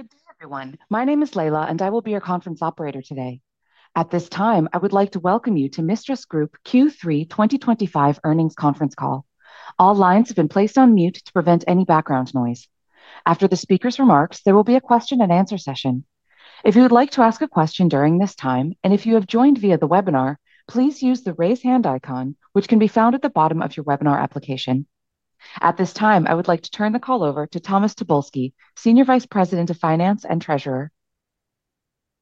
Good day, everyone. My name is Leila, and I will be your conference operator today. At this time, I would like to welcome you to MISTRAS Group Q3 2025 Earnings Conference Call. All lines have been placed on mute to prevent any background noise. After the speaker's remarks, there will be a question-and-answer session. If you would like to ask a question during this time, and if you have joined via the webinar, please use the raise hand icon, which can be found at the bottom of your webinar application. At this time, I would like to turn the call over to Thomas Tobolski, Senior Vice President of Finance and Treasurer.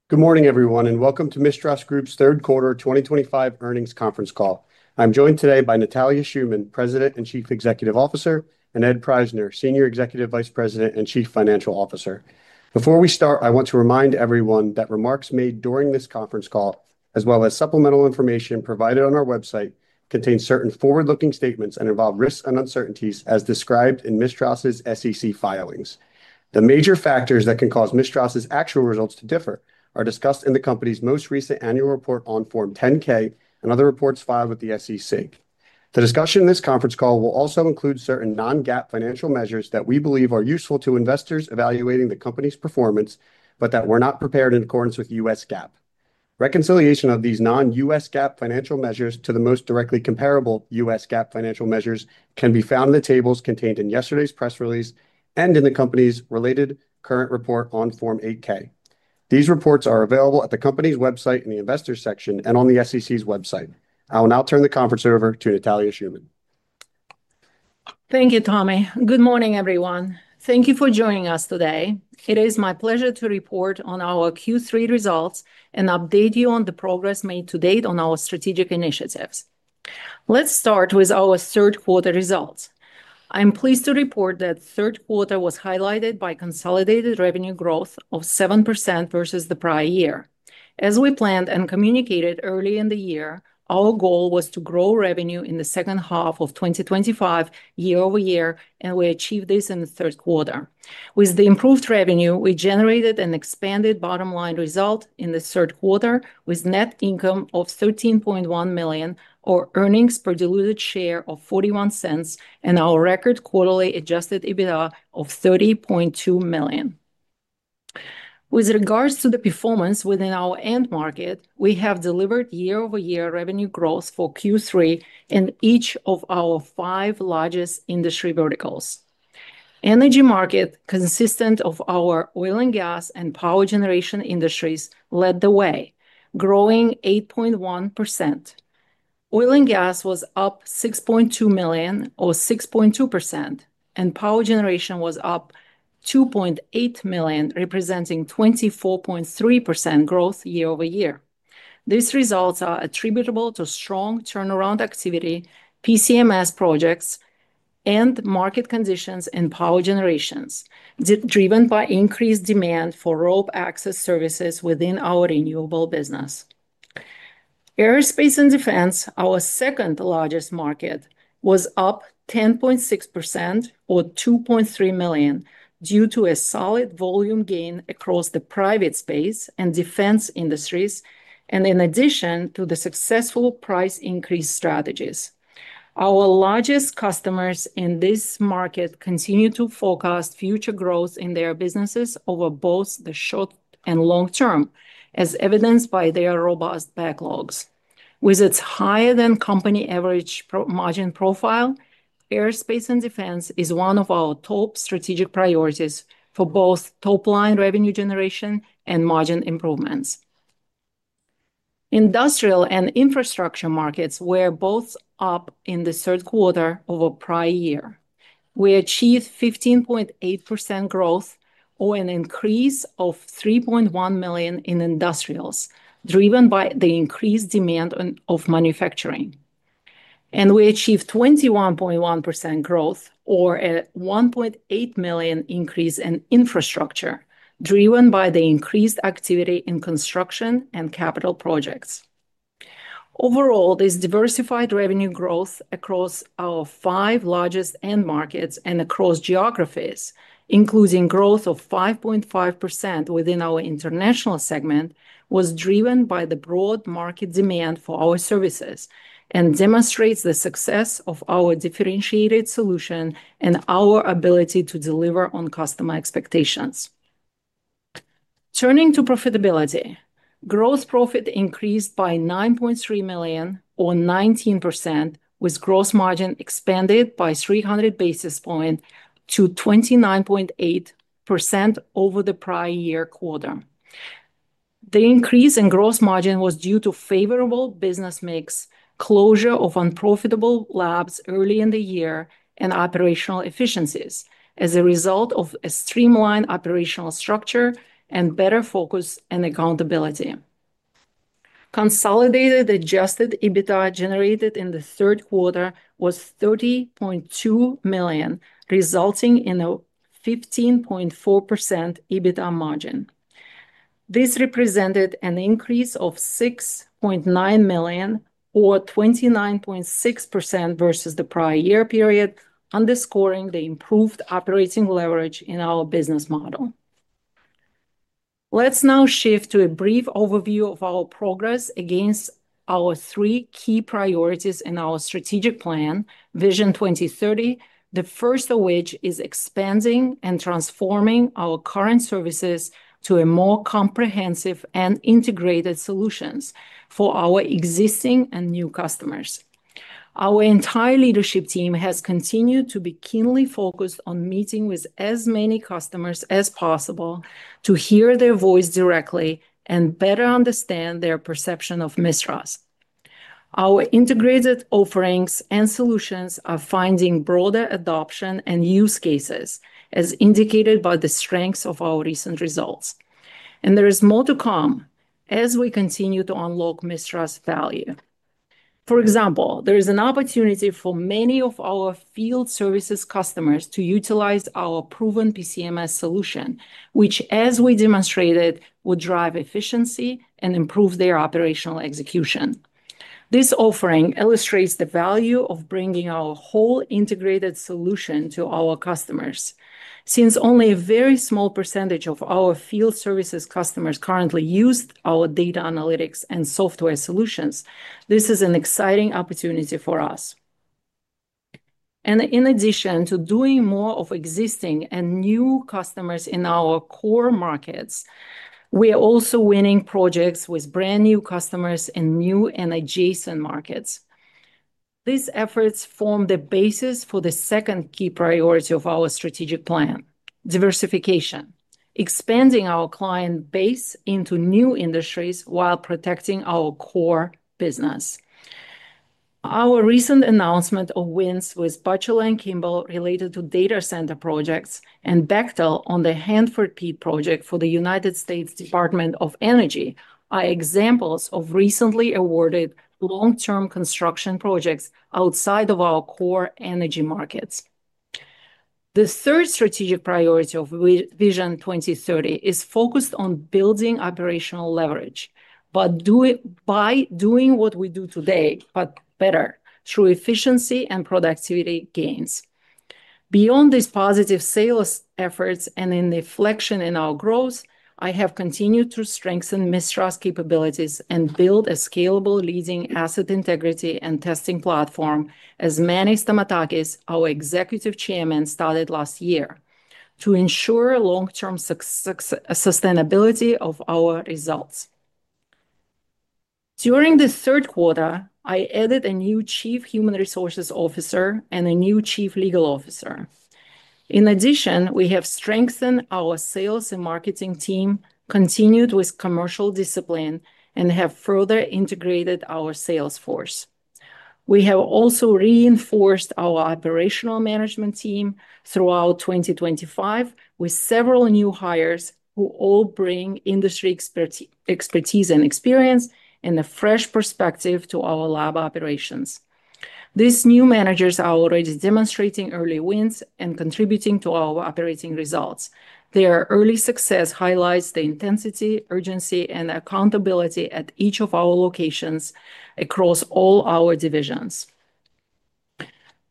Good morning, everyone, and welcome to MISTRAS Group's Third Quarter 2025 earnings conference call. I'm joined today by Natalia Shuman, President and Chief Executive Officer, and Ed Prajzner, Senior Executive Vice President and Chief Financial Officer. Before we start, I want to remind everyone that remarks made during this conference call, as well as supplemental information provided on our website, contain certain forward-looking statements and involve risks and uncertainties as described in MISTRAS's SEC filings. The major factors that can cause MISTRAS's actual results to differ are discussed in the company's most recent annual report on Form 10-K and other reports filed with the SEC. The discussion in this conference call will also include certain non-GAAP financial measures that we believe are useful to investors evaluating the company's performance, but that were not prepared in accordance with U.S. GAAP. Reconciliation of these non-GAAP financial measures to the most directly comparable U.S. GAAP financial measures can be found in the tables contained in yesterday's press release and in the company's related current report on Form 8-K. These reports are available at the company's website in the Investors section and on the SEC's website. I will now turn the conference over to Natalia Shuman. Thank you, Tommy. Good morning, everyone. Thank you for joining us today. It is my pleasure to report on our Q3 results and update you on the progress made to date on our strategic initiatives. Let's start with our third quarter results. I'm pleased to report that third quarter was highlighted by consolidated revenue growth of 7% versus the prior year. As we planned and communicated early in the year, our goal was to grow revenue in the second half of 2025 year over year, and we achieved this in the third quarter. With the improved revenue, we generated an expanded bottom line result in the third quarter with net income of $13.1 million, or earnings per diluted share of $0.41, and our record quarterly adjusted EBITDA of $30.2 million. With regards to the performance within our end market, we have delivered year-over-year revenue growth for Q3 in each of our five largest industry verticals. Energy market, consisting of our oil and gas and power generation industries, led the way, growing 8.1%. Oil and gas was up $6.2 million, or 6.2%, and power generation was up $2.8 million, representing 24.3% growth year over year. These results are attributable to strong turnaround activity, PCMS projects, and market conditions in power generation, driven by increased demand for rope access services within our renewable business. Aerospace and defense, our second largest market, was up 10.6%, or $2.3 million, due to a solid volume gain across the private space and defense industries, and in addition to the successful price increase strategies. Our largest customers in this market continue to forecast future growth in their businesses over both the short and long term, as evidenced by their robust backlogs. With its higher-than-company average margin profile, aerospace and defense is one of our top strategic priorities for both top-line revenue generation and margin improvements. Industrial and infrastructure markets were both up in the third quarter over prior year. We achieved 15.8% growth, or an increase of $3.1 million in industrials, driven by the increased demand of manufacturing. We achieved 21.1% growth, or a $1.8 million increase in infrastructure, driven by the increased activity in construction and capital projects. Overall, this diversified revenue growth across our five largest end markets and across geographies, including growth of 5.5% within our international segment, was driven by the broad market demand for our services and demonstrates the success of our differentiated solution and our ability to deliver on customer expectations. Turning to profitability, gross profit increased by $9.3 million, or 19%, with gross margin expanded by 300 basis points to 29.8% over the prior year quarter. The increase in gross margin was due to favorable business mix, closure of unprofitable labs early in the year, and operational efficiencies as a result of a streamlined operational structure and better focus and accountability. Consolidated adjusted EBITDA generated in the third quarter was $30.2 million, resulting in a 15.4% EBITDA margin. This represented an increase of $6.9 million, or 29.6% versus the prior year period, underscoring the improved operating leverage in our business model. Let's now shift to a brief overview of our progress against our three key priorities in our strategic plan, Vision 2030. The first of which is expanding and transforming our current services to a more comprehensive and integrated solutions for our existing and new customers. Our entire leadership team has continued to be keenly focused on meeting with as many customers as possible to hear their voice directly and better understand their perception of MISTRAS. Our integrated offerings and solutions are finding broader adoption and use cases, as indicated by the strengths of our recent results. There is more to come as we continue to unlock MSTRAS Ivalue. For example, there is an opportunity for many of our field services customers to utilize our proven PCMS solution, which, as we demonstrated, would drive efficiency and improve their operational execution. This offering illustrates the value of bringing our whole integrated solution to our customers. Since only a very small percentage of our field services customers currently use our data analytics and software solutions, this is an exciting opportunity for us. In addition to doing more of existing and new customers in our core markets, we are also winning projects with brand new customers in new and adjacent markets. These efforts form the basis for the second key priority of our strategic plan: diversification, expanding our client base into new industries while protecting our core business. Our recent announcement of wins with Batchelor and Kimball related to data center projects and Bechtel on the Hanford Peak project for the U.S. Department of Energy are examples of recently awarded long-term construction projects outside of our core energy markets. The third strategic priority of Vision 2030 is focused on building operational leverage, by doing what we do today, but better, through efficiency and productivity gains. Beyond these positive sales efforts and in the reflection in our growth, I have continued to strengthen Mistras' capabilities and build a scalable leading asset integrity and testing platform as Manny Stamatakis, our Executive Chairman, started last year to ensure long-term sustainability of our results. During the third quarter, I added a new Chief Human Resources Officer and a new Chief Legal Officer. In addition, we have strengthened our sales and marketing team, continued with commercial discipline, and have further integrated our sales force. We have also reinforced our operational management team throughout 2025 with several new hires who all bring industry expertise and experience and a fresh perspective to our lab operations. These new managers are already demonstrating early wins and contributing to our operating results. Their early success highlights the intensity, urgency, and accountability at each of our locations across all our divisions.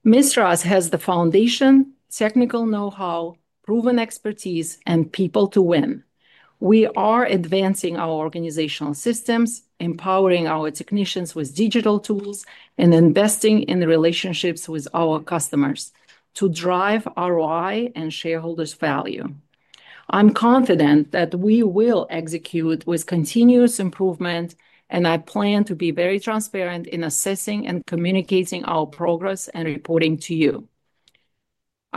MISTRAS has the foundation, technical know-how, proven expertise, and people to win. We are advancing our organizational systems, empowering our technicians with digital tools, and investing in relationships with our customers to drive ROI and shareholders' value. I'm confident that we will execute with continuous improvement, and I plan to be very transparent in assessing and communicating our progress and reporting to you.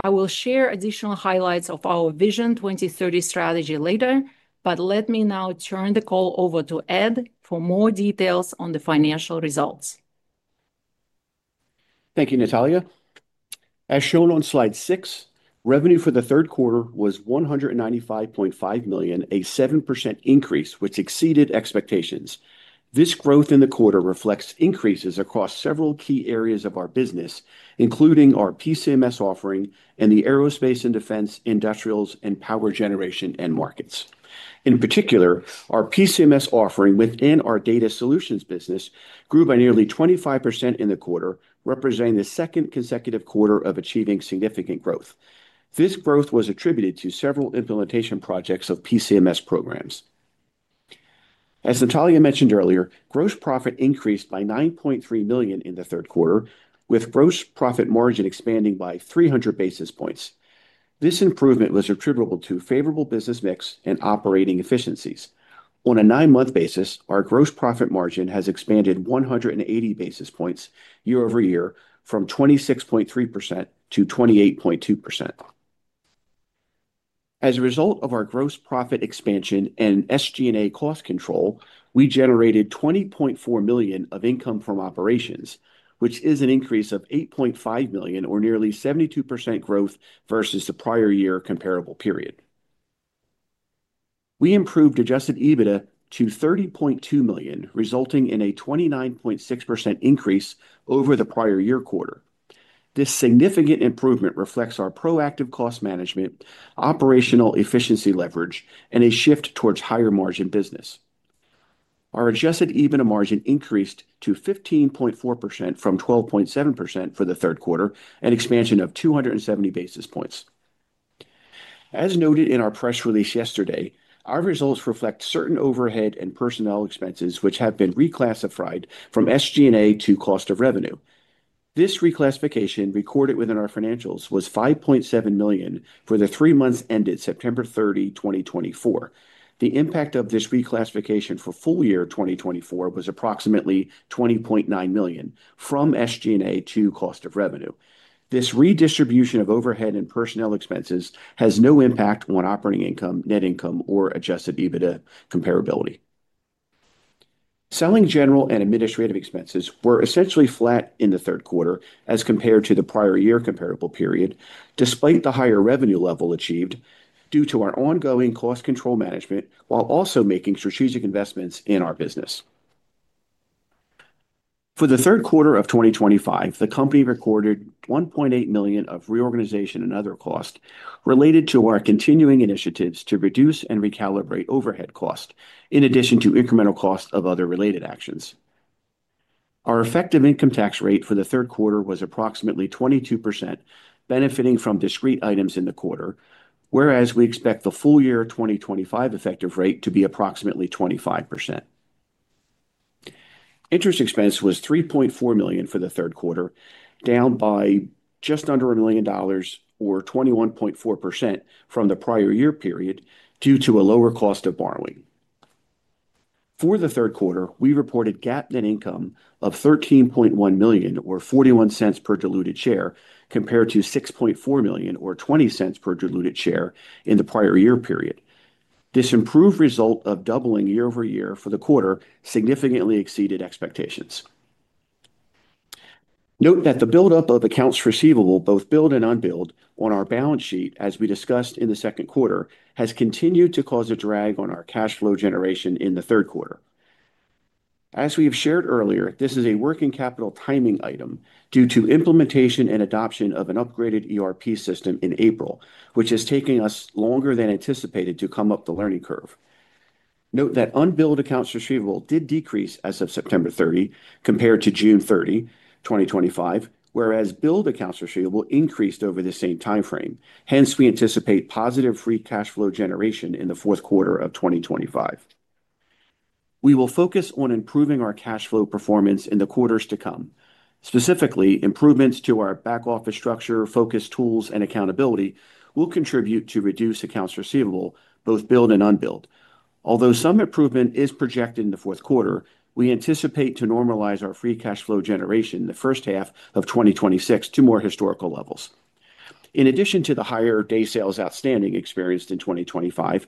I will share additional highlights of our Vision 2030 strategy later, but let me now turn the call over to Ed for more details on the financial results. Thank you, Natalia. As shown on slide six, revenue for the third quarter was $195.5 million, a 7% increase, which exceeded expectations. This growth in the quarter reflects increases across several key areas of our business, including our PCMS offering and the aerospace and defense industrials and power generation end markets. In particular, our PCMS offering within our data solutions business grew by nearly 25% in the quarter, representing the second consecutive quarter of achieving significant growth. This growth was attributed to several implementation projects of PCMS programs. As Natalia mentioned earlier, gross profit increased by $9.3 million in the third quarter, with gross profit margin expanding by 300 basis points. This improvement was attributable to favorable business mix and operating efficiencies. On a nine-month basis, our gross profit margin has expanded 180 basis points year over year, from 26.3% to 28.2%. As a result of our gross profit expansion and SG&A cost control, we generated $20.4 million of income from operations, which is an increase of $8.5 million, or nearly 72% growth versus the prior year comparable period. We improved adjusted EBITDA to $30.2 million, resulting in a 29.6% increase over the prior year quarter. This significant improvement reflects our proactive cost management, operational efficiency leverage, and a shift towards higher margin business. Our adjusted EBITDA margin increased to 15.4% from 12.7% for the third quarter, an expansion of 270 basis points. As noted in our press release yesterday, our results reflect certain overhead and personnel expenses, which have been reclassified from SG&A to cost of revenue. This reclassification recorded within our financials was $5.7 million for the three months ended September 30, 2024. The impact of this reclassification for full year 2024 was approximately $20.9 million from SG&A to cost of revenue. This redistribution of overhead and personnel expenses has no impact on operating income, net income, or adjusted EBITDA comparability. Selling, general and administrative expenses were essentially flat in the third quarter as compared to the prior year comparable period, despite the higher revenue level achieved due to our ongoing cost control management while also making strategic investments in our business. For the third quarter of 2025, the company recorded $1.8 million of reorganization and other costs related to our continuing initiatives to reduce and recalibrate overhead costs, in addition to incremental costs of other related actions. Our effective income tax rate for the third quarter was approximately 22%, benefiting from discrete items in the quarter, whereas we expect the full year 2025 effective rate to be approximately 25%. Interest expense was $3.4 million for the third quarter, down by just under $1 million, or 21.4%, from the prior year period due to a lower cost of borrowing. For the third quarter, we reported GAAP net income of $13.1 million, or $0.41 per diluted share, compared to $6.4 million, or $0.20 per diluted share in the prior year period. This improved result of doubling year over year for the quarter significantly exceeded expectations. Note that the buildup of accounts receivable, both billed and unbilled, on our balance sheet, as we discussed in the second quarter, has continued to cause a drag on our cash flow generation in the third quarter. As we have shared earlier, this is a working capital timing item due to implementation and adoption of an upgraded ERP system in April, which has taken us longer than anticipated to come up the learning curve. Note that unbilled accounts receivable did decrease as of September 30 compared to June 30, 2025, whereas billed accounts receivable increased over the same timeframe. Hence, we anticipate positive free cash flow generation in the fourth quarter of 2025. We will focus on improving our cash flow performance in the quarters to come. Specifically, improvements to our back office structure, focus tools, and accountability will contribute to reduced accounts receivable, both billed and unbilled. Although some improvement is projected in the fourth quarter, we anticipate to normalize our free cash flow generation in the first half of 2026 to more historical levels. In addition to the higher day sales outstanding experienced in 2025,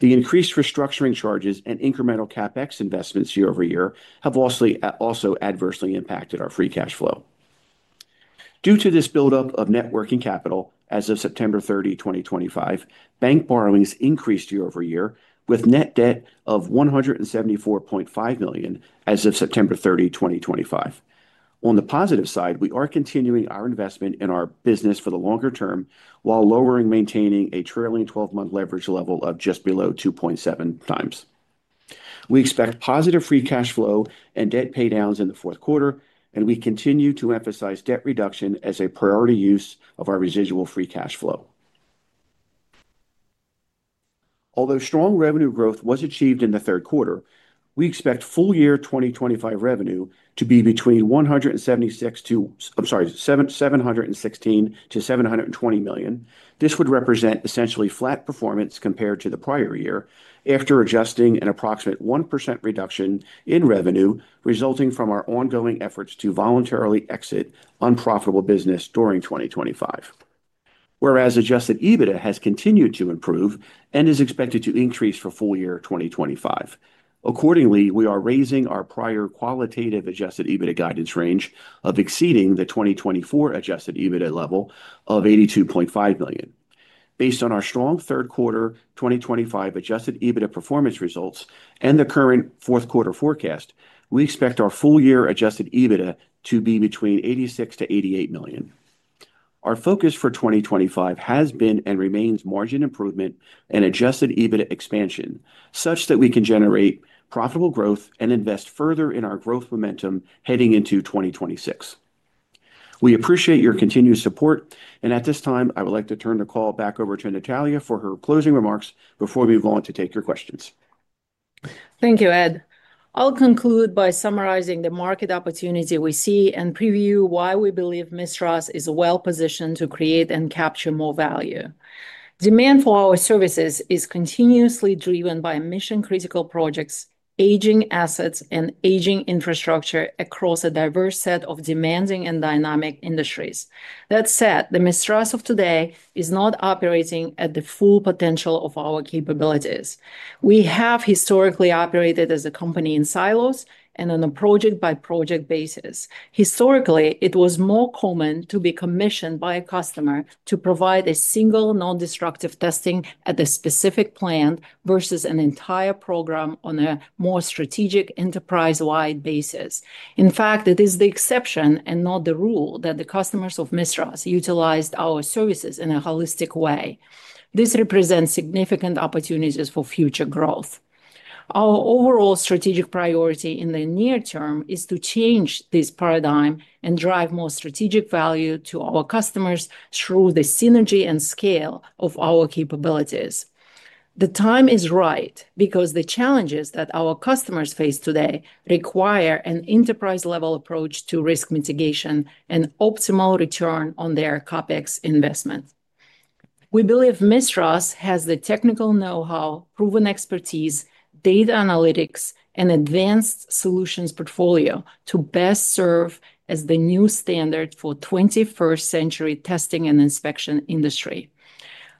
the increased restructuring charges and incremental CapEx investments year over year have also adversely impacted our free cash flow. Due to this buildup of net working capital as of September 30, 2025, bank borrowings increased year over year, with net debt of $174.5 million as of September 30, 2025. On the positive side, we are continuing our investment in our business for the longer term while maintaining a trailing 12-month leverage level of just below 2.7 times. We expect positive free cash flow and debt paydowns in the fourth quarter, and we continue to emphasize debt reduction as a priority use of our residual free cash flow. Although strong revenue growth was achieved in the third quarter, we expect full year 2025 revenue to be between $716-$720 million. This would represent essentially flat performance compared to the prior year after adjusting an approximate 1% reduction in revenue resulting from our ongoing efforts to voluntarily exit unprofitable business during 2025. Whereas adjusted EBITDA has continued to improve and is expected to increase for full year 2025. Accordingly, we are raising our prior qualitative adjusted EBITDA guidance range of exceeding the 2024 adjusted EBITDA level of $82.5 million. Based on our strong third quarter 2025 adjusted EBITDA performance results and the current fourth quarter forecast, we expect our full year adjusted EBITDA to be between $86-$88 million. Our focus for 2025 has been and remains margin improvement and adjusted EBITDA expansion such that we can generate profitable growth and invest further in our growth momentum heading into 2026. We appreciate your continued support, and at this time, I would like to turn the call back over to Natalia for her closing remarks before we move on to take your questions. Thank you, Ed. I'll conclude by summarizing the market opportunity we see and preview why we believe MISTRAS is well positioned to create and capture more value. Demand for our services is continuously driven by mission-critical projects, aging assets, and aging infrastructure across a diverse set of demanding and dynamic industries. That said, the MISTRAS of today is not operating at the full potential of our capabilities. We have historically operated as a company in silos and on a project-by-project basis. Historically, it was more common to be commissioned by a customer to provide a single non-destructive testing at a specific plant versus an entire program on a more strategic enterprise-wide basis. In fact, it is the exception and not the rule that the custom MISTRAS utilized our services in a holistic way. This represents significant opportunities for future growth. Our overall strategic priority in the near term is to change this paradigm and drive more strategic value to our customers through the synergy and scale of our capabilities. The time is right because the challenges that our customers face today require an enterprise-level approach to risk mitigation and optimal return on their CapEx investment. We believe MISTRAS has the technical know-how, proven expertise, data analytics, and advanced solutions portfolio to best serve as the new standard for 21st-century testing and inspection industry.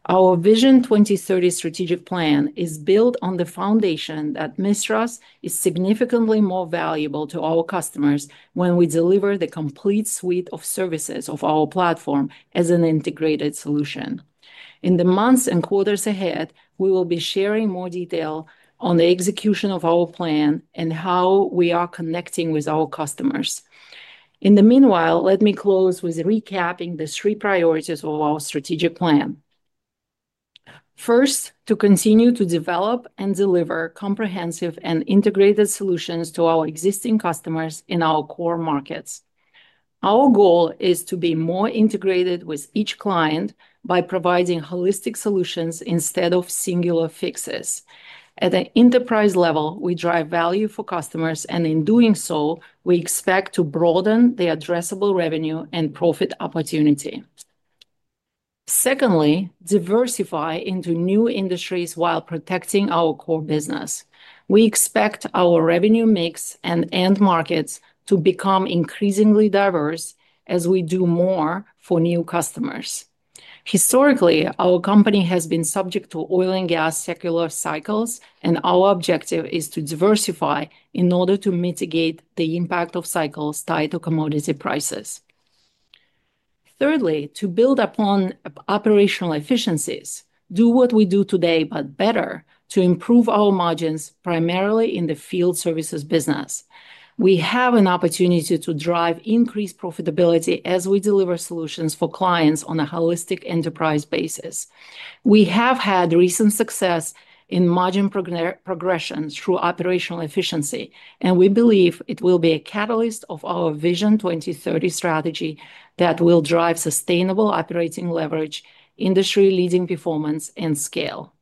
Our Vision 2030 strategic plan is built on the foundation that MISTRAS is significantly more valuable to our customers when we deliver the complete suite of services of our platform as an integrated solution. In the months and quarters ahead, we will be sharing more detail on the execution of our plan and how we are connecting with our customers. In the meanwhile, let me close with recapping the three priorities of our strategic plan. First, to continue to develop and deliver comprehensive and integrated solutions to our existing customers in our core markets. Our goal is to be more integrated with each client by providing holistic solutions instead of singular fixes. At an enterprise level, we drive value for customers, and in doing so, we expect to broaden the addressable revenue and profit opportunity. Secondly, diversify into new industries while protecting our core business. We expect our revenue mix and end markets to become increasingly diverse as we do more for new customers. Historically, our company has been subject to oil and gas circular cycles, and our objective is to diversify in order to mitigate the impact of cycles tied to commodity prices. Thirdly, to build upon operational efficiencies, do what we do today, but better, to improve our margins primarily in the field services business. We have an opportunity to drive increased profitability as we deliver solutions for clients on a holistic enterprise basis. We have had recent success in margin progression through operational efficiency, and we believe it will be a catalyst of our Vision 2030 strategy that will drive sustainable operating leverage, industry-leading performance, and scale.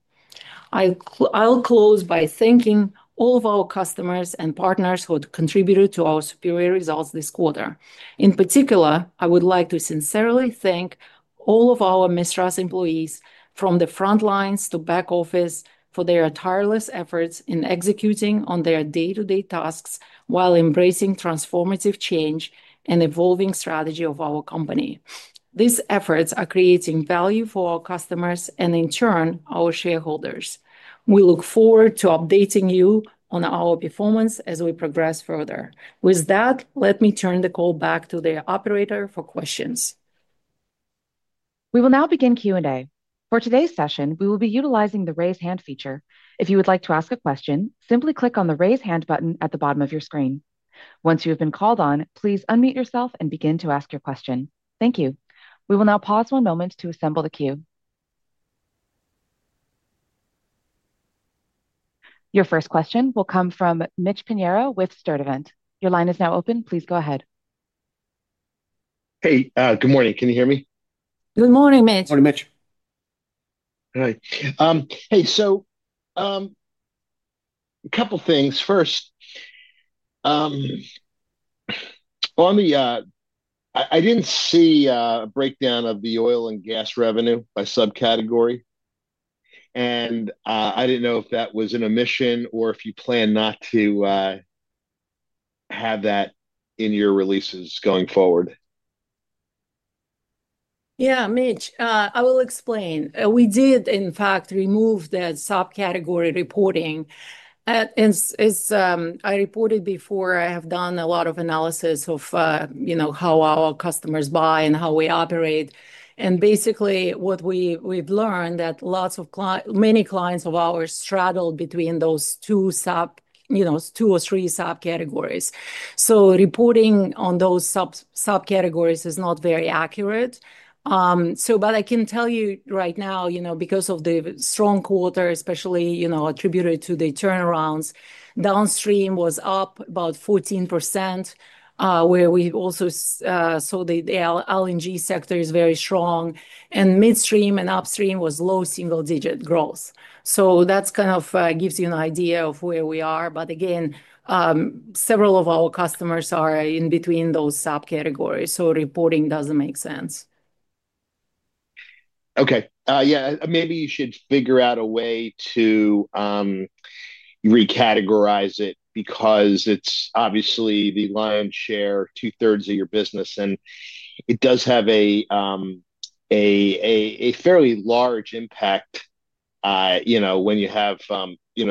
I'll close by thanking all of our customers and partners who have contributed to our superior results this quarter. In particular, I would like to sincerely thank all of our MISTRAS employees from the front lines to back office for their tireless efforts in executing on their day-to-day tasks while embracing transformative change and evolving strategy of our company. These efforts are creating value for our customers and, in turn, our shareholders. We look forward to updating you on our performance as we progress further. With that, let me turn the call back to the operator for questions. We will now begin Q&A. For today's session, we will be utilizing the raise hand feature. If you would like to ask a question, simply click on the raise hand button at the bottom of your screen. Once you have been called on, please unmute yourself and begin to ask your question. Thank you. We will now pause one moment to assemble the queue. Your first question will come from Mitch Pinheiro with Sturdivant. Your line is now open. Please go ahead. Hey, good morning. Can you hear me? Good morning, Mitch. Morning, Mitch. All right. Hey, so. A couple of things. First. On the. I didn't see a breakdown of the oil and gas revenue by subcategory. I didn't know if that was an omission or if you plan not to have that in your releases going forward. Yeah, Mitch, I will explain. We did, in fact, remove the subcategory reporting. As I reported before, I have done a lot of analysis of how our customers buy and how we operate. Basically, what we've learned is that many clients of ours straddle between those two subcategories. Reporting on those subcategories is not very accurate. I can tell you right now, because of the strong quarter, especially attributed to the turnarounds, downstream was up about 14%. We also saw the LNG sector is very strong, and midstream and upstream was low single-digit growth. That kind of gives you an idea of where we are. Again, several of our customers are in between those subcategories, so reporting does not make sense. Okay. Yeah, maybe you should figure out a way to recategorize it because it's obviously the lion's share, two-thirds of your business, and it does have a fairly large impact. When you have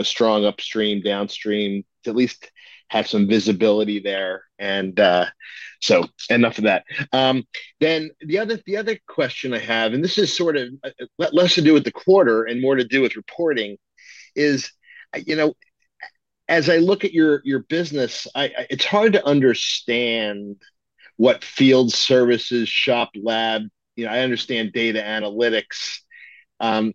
strong upstream, downstream, at least have some visibility there. Enough of that. The other question I have, and this is sort of less to do with the quarter and more to do with reporting, is as I look at your business, it's hard to understand what field services, shop, lab. I understand data analytics.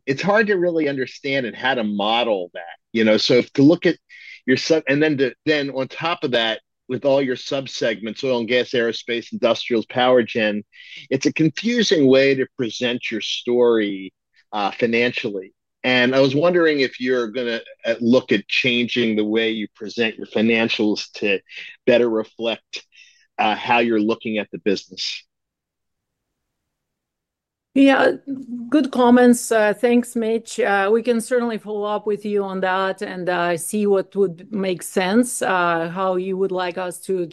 It's hard to really understand and how to model that. To look at your, and then on top of that, with all your subsegments, oil and gas, aerospace, industrials, power gen, it's a confusing way to present your story financially. I was wondering if you're going to look at changing the way you present your financials to better reflect how you're looking at the business. Yeah, good comments. Thanks, Mitch. We can certainly follow up with you on that and see what would make sense, how you would like us to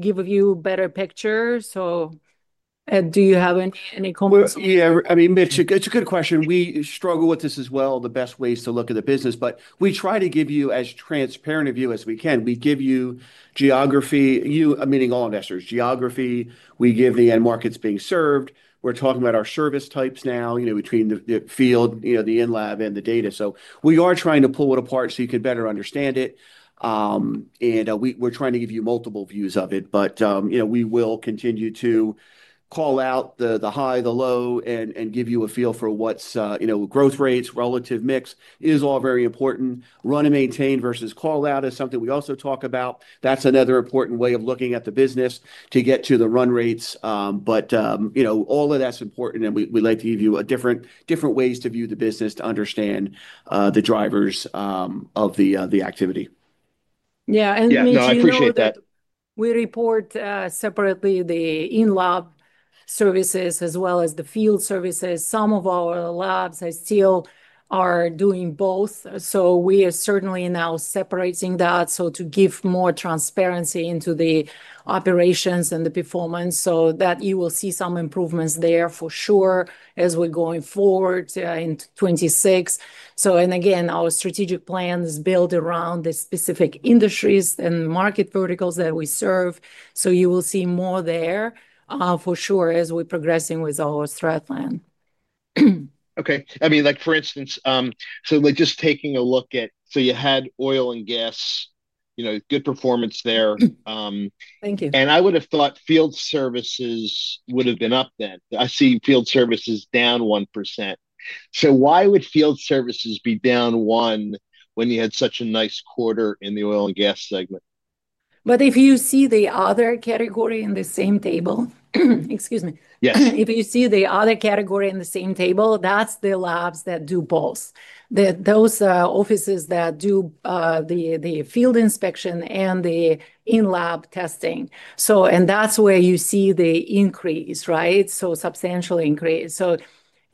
give you a better picture. Do you have any comments? Yeah, I mean, Mitch, it's a good question. We struggle with this as well, the best ways to look at the business, but we try to give you as transparent a view as we can. We give you geography, meaning all investors, geography. We give the end markets being served. We're talking about our service types now between the field, the in-lab, and the data. We are trying to pull it apart so you can better understand it. We are trying to give you multiple views of it, but we will continue to call out the high, the low, and give you a feel for what's growth rates, relative mix is all very important. Run and maintain versus call out is something we also talk about. That's another important way of looking at the business to get to the run rates. All of that's important, and we'd like to give you different ways to view the business to understand the drivers of the activity. Yeah, and Mitch, we report separately the in-lab services as well as the field services. Some of our labs still are doing both. We are certainly now separating that to give more transparency into the operations and the performance, so that you will see some improvements there for sure as we are going forward in 2026. Again, our strategic plan is built around the specific industries and market verticals that we serve. You will see more there for sure as we are progressing with our strat plan. Okay. I mean, for instance, so just taking a look at, so you had oil and gas. Good performance there. Thank you. I would have thought field services would have been up then. I see field services down 1%. Why would field services be down 1% when you had such a nice quarter in the oil and gas segment? If you see the other category in the same table, excuse me. Yes. If you see the other category in the same table, that's the labs that do both. Those offices that do the field inspection and the in-lab testing. That is where you see the increase, right? Substantial increase.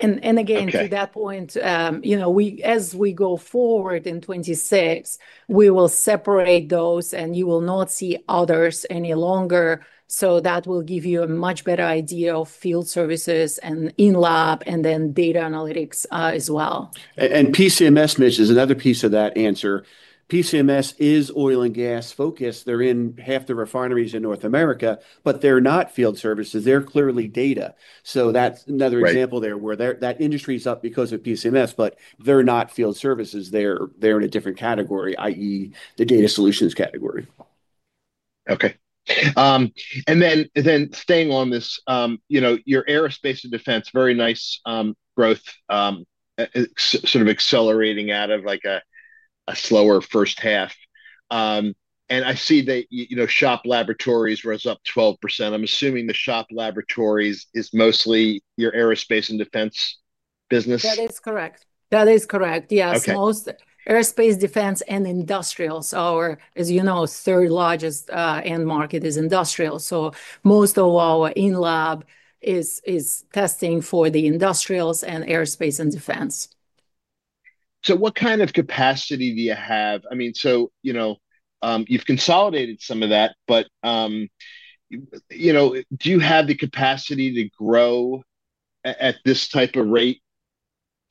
Again, to that point, as we go forward in 2026, we will separate those, and you will not see others any longer. That will give you a much better idea of field services and in-lab and then data analytics as well. PCMS, Mitch, is another piece of that answer. PCMS is oil and gas focused. They're in half the refineries in North America, but they're not field services. They're clearly data. That's another example there where that industry is up because of PCMS, but they're not field services. They're in a different category, i.e., the data solutions category. Okay. Staying on this, your aerospace and defense, very nice growth. Sort of accelerating out of a slower first half. I see that shop laboratories rose up 12%. I'm assuming the shop laboratories is mostly your aerospace and defense business. That is correct. Yes. Aerospace, defense, and industrials. Our, as you know, third largest end market is industrial. So most of our in-lab is testing for the industrials and aerospace and defense. What kind of capacity do you have? I mean, you've consolidated some of that, but do you have the capacity to grow at this type of rate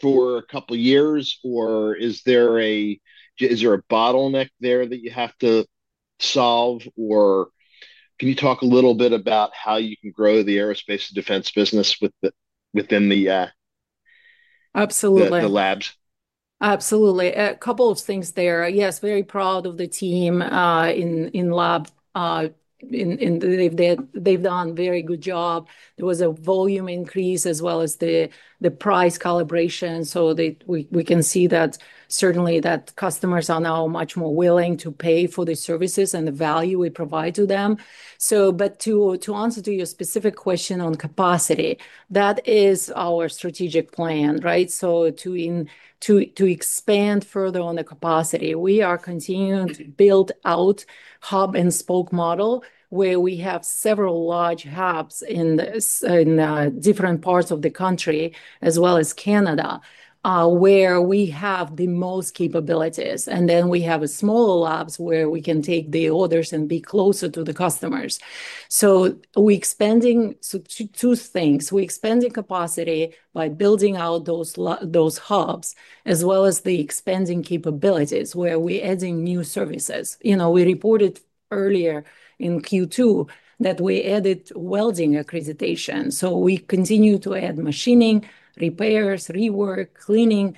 for a couple of years, or is there a bottleneck there that you have to solve? Can you talk a little bit about how you can grow the aerospace and defense business within the. Absolutely. Labs? Absolutely. A couple of things there. Yes, very proud of the team. In-lab. They've done a very good job. There was a volume increase as well as the price calibration. We can see that certainly customers are now much more willing to pay for the services and the value we provide to them. To answer to your specific question on capacity, that is our strategic plan, right? To expand further on the capacity, we are continuing to build out hub and spoke model where we have several large hubs in different parts of the country as well as Canada, where we have the most capabilities. Then we have smaller labs where we can take the orders and be closer to the customers. We're expanding. Two things. We're expanding capacity by building out those. Hubs as well as the expanding capabilities where we're adding new services. We reported earlier in Q2 that we added welding accreditation. We continue to add machining, repairs, rework, cleaning.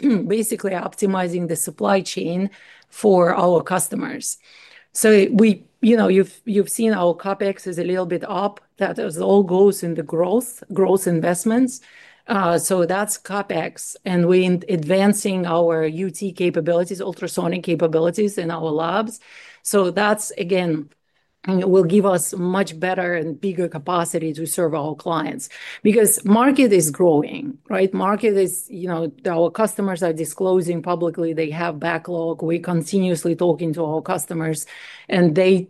Basically optimizing the supply chain for our customers. You've seen our CapEx is a little bit up. That all goes into growth, growth investments. That's CapEx. We're advancing our UT capabilities, ultrasonic capabilities in our labs. That, again, will give us much better and bigger capacity to serve our clients because market is growing, right? Market is. Our customers are disclosing publicly they have backlog. We're continuously talking to our customers, and they're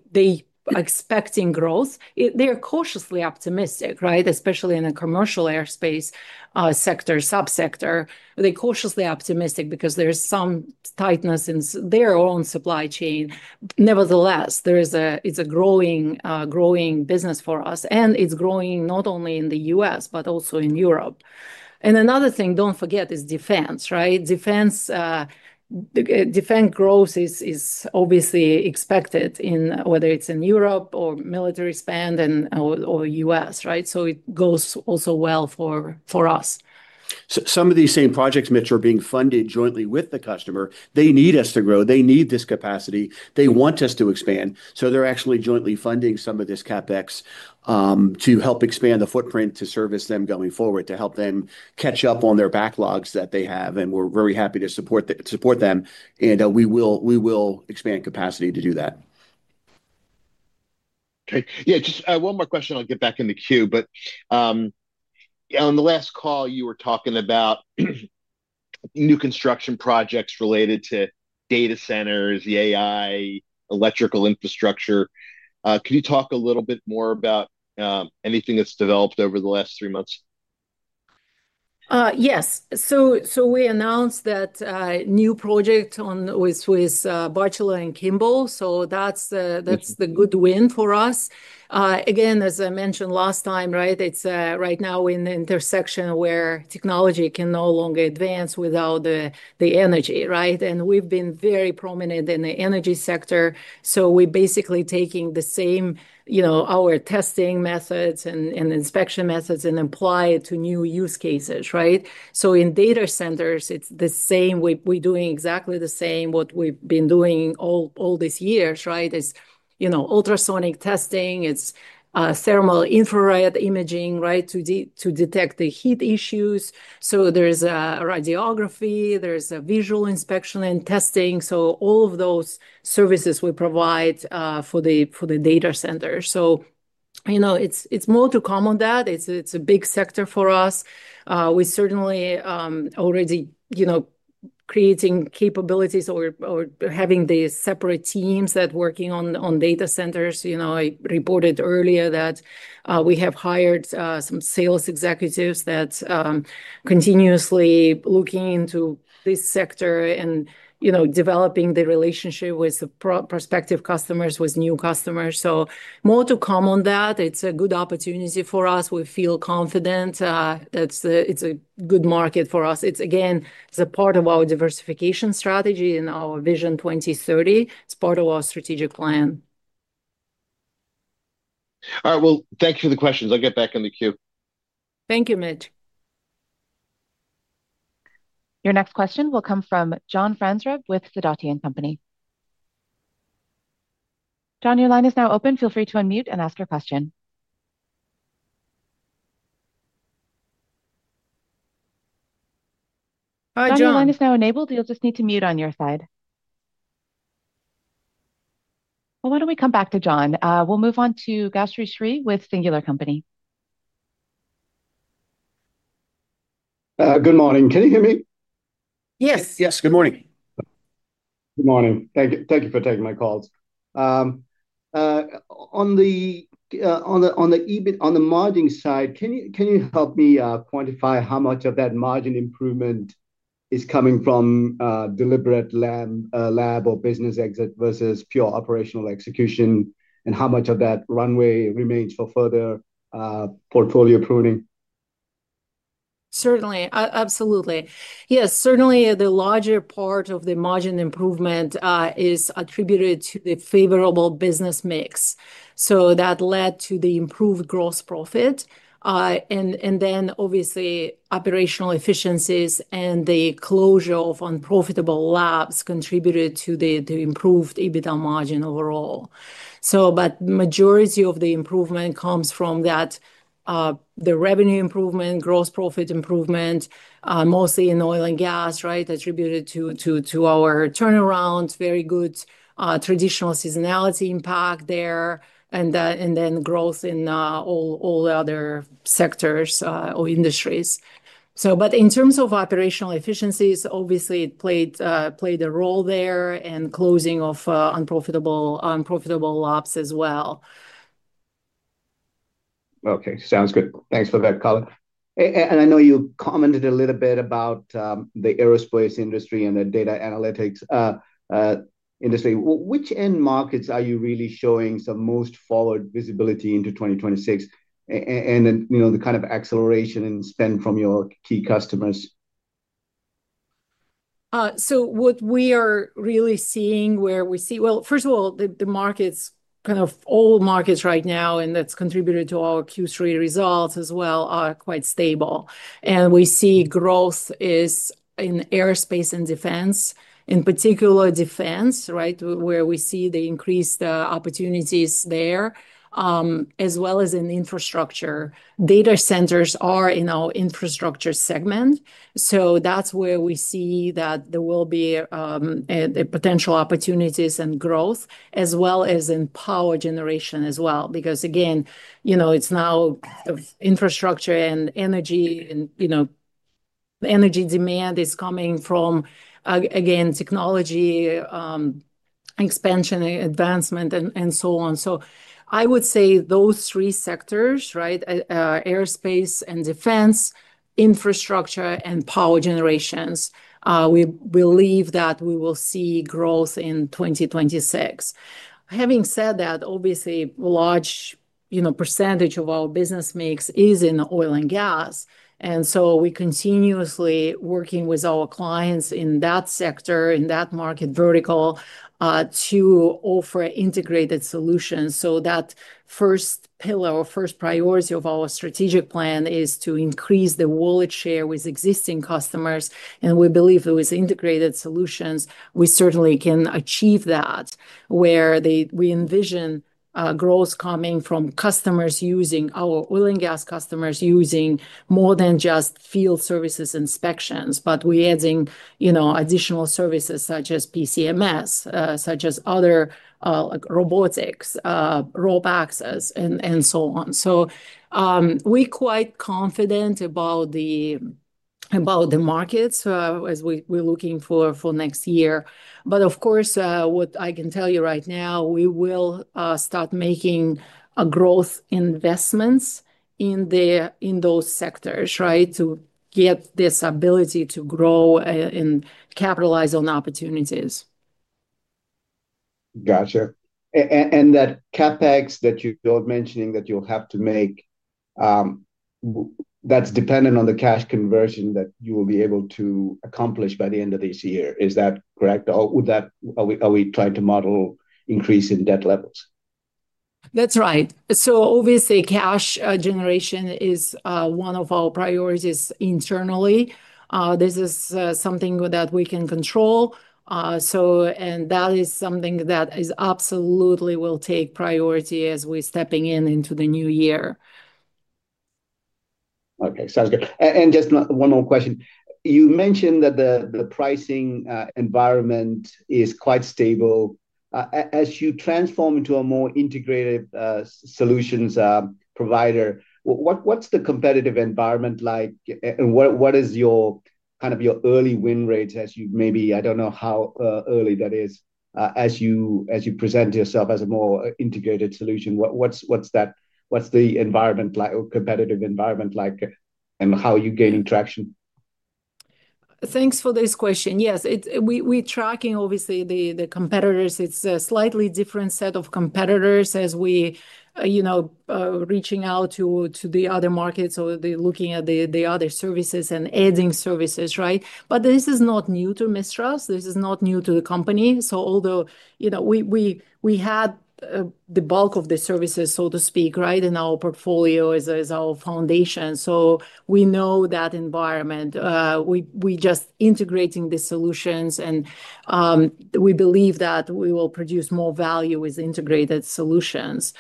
expecting growth. They're cautiously optimistic, right? Especially in the commercial aerospace sector, subsector. They're cautiously optimistic because there's some tightness in their own supply chain. Nevertheless, it's a growing. Business for us, and it's growing not only in the U.S., but also in Europe. Another thing, don't forget, is defense, right? Defense. Growth is obviously expected in whether it's in Europe or military spend or U.S., right? It goes also well for us. Some of these same projects, Mitch, are being funded jointly with the customer. They need us to grow. They need this capacity. They want us to expand. They are actually jointly funding some of this CapEx to help expand the footprint to service them going forward, to help them catch up on their backlogs that they have. We are very happy to support them. We will expand capacity to do that. Okay. Yeah, just one more question. I'll get back in the queue. On the last call, you were talking about new construction projects related to data centers, the AI, electrical infrastructure. Could you talk a little bit more about anything that's developed over the last three months? Yes. So we announced that new project with Bechtel and Kimball. So that's a good win for us. Again, as I mentioned last time, right, it's right now in the intersection where technology can no longer advance without the energy, right? And we've been very prominent in the energy sector. So we're basically taking the same, our testing methods and inspection methods, and apply it to new use cases, right? In data centers, it's the same. We're doing exactly the same what we've been doing all these years, right? It's ultrasonic testing. It's thermal infrared imaging, right, to detect the heat issues. There's radiography. There's a visual inspection and testing. All of those services we provide for the data centers. It's more to come and it's a big sector for us. We certainly are already. Creating capabilities or having the separate teams that are working on data centers. I reported earlier that we have hired some sales executives that are continuously looking into this sector and developing the relationship with prospective customers, with new customers. More to come on that. It's a good opportunity for us. We feel confident. It's a good market for us. It's, again, part of our diversification strategy and our Vision 2030. It's part of our strategic plan. All right. Thank you for the questions. I'll get back in the queue. Thank you, Mitch. Your next question will come from John Franzreb with Sturdivant & Company. John, your line is now open. Feel free to unmute and ask your question. Hi, John. Your line is now enabled. You'll just need to mute on your side. Why don't we come back to John? We'll move on to Gastri Sri with Singular Company. Good morning. Can you hear me? Yes. Yes. Good morning. Good morning. Thank you for taking my call. On the margin side, can you help me quantify how much of that margin improvement is coming from deliberate lab or business exit versus pure operational execution, and how much of that runway remains for further portfolio pruning? Certainly. Absolutely. Yes. Certainly, the larger part of the margin improvement is attributed to the favorable business mix. That led to the improved gross profit. Obviously, operational efficiencies and the closure of unprofitable labs contributed to the improved EBITDA margin overall. The majority of the improvement comes from that. The revenue improvement, gross profit improvement. Mostly in oil and gas, right, attributed to our turnaround, very good traditional seasonality impact there, and then growth in all other sectors or industries. In terms of operational efficiencies, obviously, it played a role there and closing of unprofitable labs as well. Okay. Sounds good. Thanks for that, Colin. I know you commented a little bit about the aerospace industry and the data analytics industry. Which end markets are you really showing some most forward visibility into 2026? And the kind of acceleration and spend from your key customers? What we are really seeing, where we see, first of all, the markets, kind of all markets right now, and that has contributed to our Q3 results as well, are quite stable. We see growth is in aerospace and defense, in particular defense, right, where we see the increased opportunities there, as well as in infrastructure. Data centers are in our infrastructure segment. That is where we see that there will be potential opportunities and growth, as well as in power generation as well. Because, again, it is now infrastructure and energy. Demand is coming from, again, technology, expansion, advancement, and so on. I would say those three sectors, right, aerospace and defense, infrastructure, and power generation. We believe that we will see growth in 2026. Having said that, obviously, a large percentage of our business mix is in oil and gas. We are continuously working with our clients in that sector, in that market vertical to offer integrated solutions. That first pillar or first priority of our strategic plan is to increase the wallet share with existing customers. We believe that with integrated solutions, we certainly can achieve that. We envision growth coming from our oil and gas customers using more than just field services inspections, but we are adding additional services such as PCMS, such as other robotics, rope access, and so on. We are quite confident about the markets as we are looking for next year. Of course, what I can tell you right now is we will start making growth investments in those sectors to get this ability to grow and capitalize on opportunities. Gotcha. And that CapEx that you're mentioning that you'll have to make, that's dependent on the cash conversion that you will be able to accomplish by the end of this year. Is that correct? Are we trying to model increase in debt levels? That's right. Obviously, cash generation is one of our priorities internally. This is something that we can control. That is something that absolutely will take priority as we're stepping into the new year. Okay. Sounds good. Just one more question. You mentioned that the pricing environment is quite stable. As you transform into a more integrated solutions provider, what's the competitive environment like? What is kind of your early win rates as you maybe—I do not know how early that is—as you present yourself as a more integrated solution? What's the environment like, or competitive environment like, and how are you gaining traction? Thanks for this question. Yes. We're tracking, obviously, the competitors. It's a slightly different set of competitors as we reach out to the other markets or looking at the other services and adding services, right? This is not new to MISTRAS. This is not new to the company. Although we had the bulk of the services, so to speak, in our portfolio as our foundation. We know that environment. We're just integrating the solutions, and. We believe that we will produce more value with integrated solutions.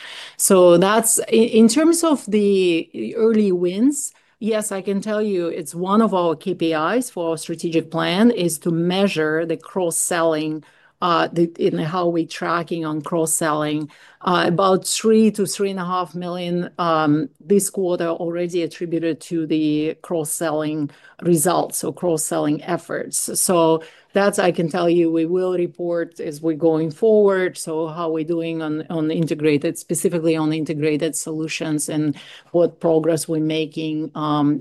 In terms of the early wins, yes, I can tell you it's one of our KPIs for our strategic plan is to measure the cross-selling and how we're tracking on cross-selling. About $3 million-$3.5 million this quarter already attributed to the cross-selling results, so cross-selling efforts. I can tell you, we will report as we're going forward how we're doing on integrated, specifically on integrated solutions, and what progress we're making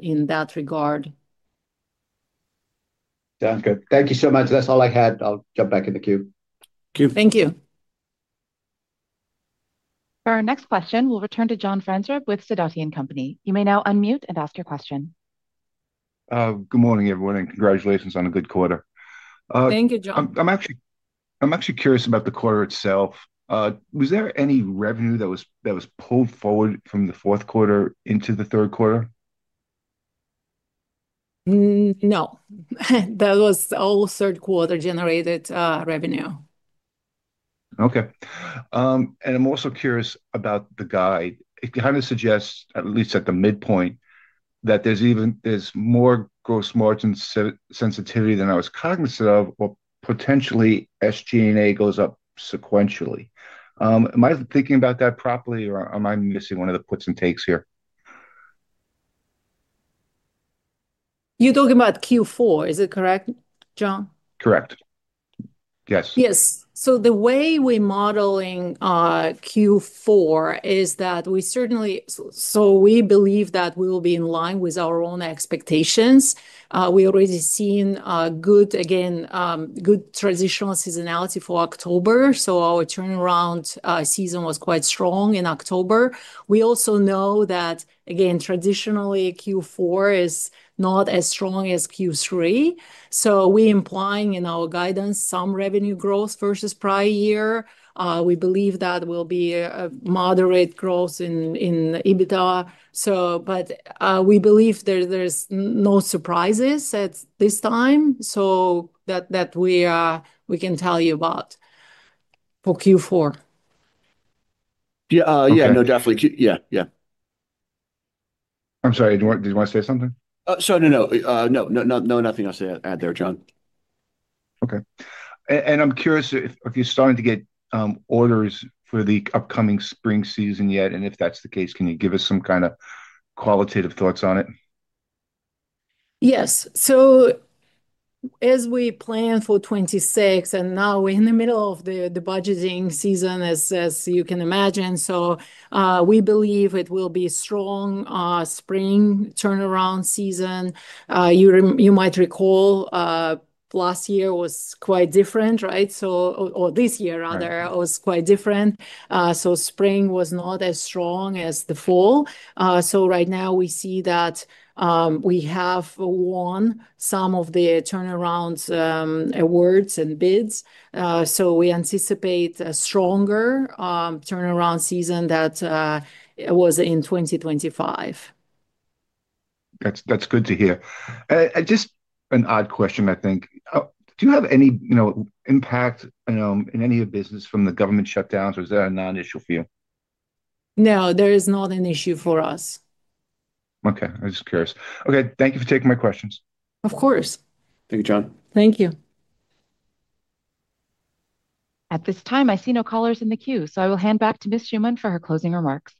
in that regard. Sounds good. Thank you so much. That's all I had. I'll jump back in the queue. Thank you. For our next question, we'll return to John Franzreb with Sidoti & Company. You may now unmute and ask your question. Good morning, everyone, and congratulations on a good quarter. Thank you, John. I'm actually curious about the quarter itself. Was there any revenue that was pulled forward from the fourth quarter into the third quarter? No. That was all third quarter generated revenue. Okay. I'm also curious about the guide. It kind of suggests, at least at the midpoint, that there's more gross margin sensitivity than I was cognizant of, or potentially SG&A goes up sequentially. Am I thinking about that properly, or am I missing one of the puts and takes here? You're talking about Q4. Is it correct, John? Correct. Yes. Yes. So the way we're modeling Q4 is that we certainly—so we believe that we will be in line with our own expectations. We're already seeing, again, good transitional seasonality for October. So our turnaround season was quite strong in October. We also know that, again, traditionally, Q4 is not as strong as Q3. So we're implying in our guidance some revenue growth versus prior year. We believe that will be a moderate growth in EBITDA. But we believe there's no surprises at this time, so that we can tell you about. For Q4. Yeah. No, definitely. I'm sorry. Did you want to say something? Oh, sorry. No, no. No, nothing else to add there, John. Okay. I'm curious if you're starting to get orders for the upcoming spring season yet, and if that's the case, can you give us some kind of qualitative thoughts on it? Yes. As we plan for 2026, and now we're in the middle of the budgeting season, as you can imagine. We believe it will be a strong spring turnaround season. You might recall, last year was quite different, right? Or this year, rather, was quite different. Spring was not as strong as the fall. Right now, we see that we have won some of the turnaround awards and bids. We anticipate a stronger turnaround season than was in 2025. That's good to hear. Just an odd question, I think. Do you have any impact in any of your business from the government shutdowns, or is that a non-issue for you? No, there is not an issue for us. Okay. I'm just curious. Okay. Thank you for taking my questions. Of course. Thank you, John. Thank you. At this time, I see no callers in the queue, so I will hand back to Ms. Shuman for her closing remarks.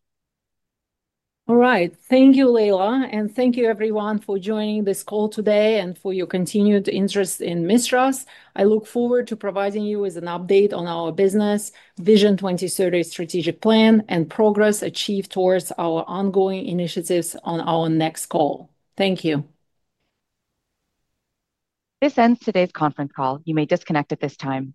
All right. Thank you, Leila. Thank you, everyone, for joining this call today and for your continued interest in MISTRAS I look forward to providing you with an update on our business Vision 2030 strategic plan and progress achieved towards our ongoing initiatives on our next call. Thank you. This ends today's conference call. You may disconnect at this time.